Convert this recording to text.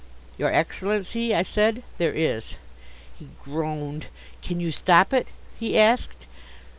"Your Excellency," I said, "there is." He groaned. "Can you stop it?" he asked.